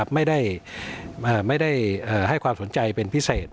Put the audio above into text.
ไม่ได้ให้ความสนใจเป็นพิเศษ